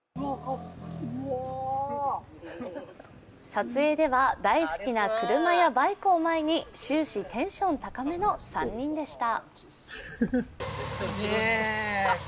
撮影では大好きな車やバイクを前に終始テンション高めの３人でした。